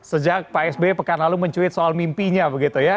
sejak pak sby pekan lalu mencuit soal mimpinya begitu ya